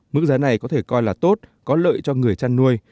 mức giá này có thể coi là tốt có lợi cho người chăn nuôi